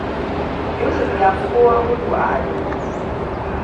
Yusuf ya fi kowa gudu a ajin su.